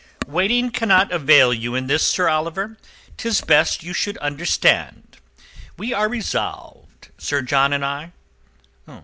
"Waiting cannot avail you in this, Sir Oliver. 'Tis best you should understand. We are resolved, Sir John and I."